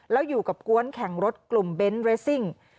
แล้วอยู่กับกวนแข่งรถกลุ่มเบนท์เรสซิ่ง